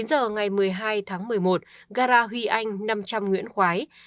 chín giờ ngày một mươi hai tháng một mươi một gara huy anh năm trăm linh nguyễn khoái